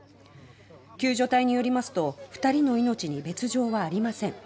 救助隊によりますと２人の命に別状はありません。